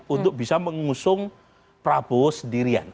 untuk bisa mengusung prabowo sendirian